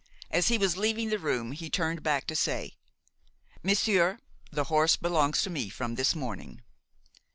As he was leaving the room, he turned back to say: "Monsieur, the horse belongs to me from this morning!"